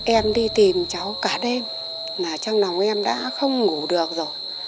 em đi tìm cháu cả đêm là trong lòng em đã không ngủ được rồi